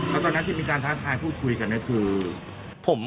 แล้วตอนนั้นที่มีการท้ายพูดคุยกันกันคือ